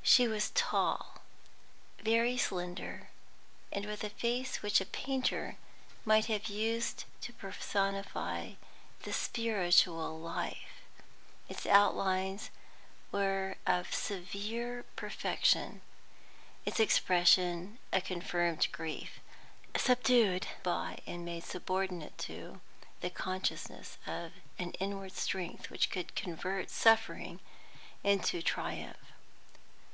She was tall, very slender, and with a face which a painter might have used to personify the spiritual life. Its outlines were of severe perfection; its expression a confirmed grief, subdued by, and made subordinate to, the consciousness of an inward strength which could convert suffering into triumph.